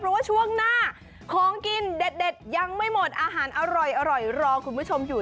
เพราะว่าช่วงหน้าของกินเด็ดยังไม่หมดอาหารอร่อยรอคุณผู้ชมอยู่